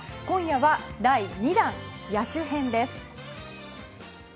今夜は第２弾、野手編です。